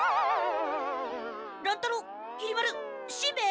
乱太郎きり丸しんべヱ？